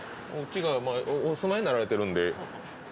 こっちがまあお住まいになられてるんで。